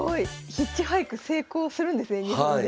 ヒッチハイク成功するんですね日本で。